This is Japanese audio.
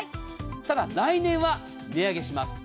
ただ、来年は値上げします。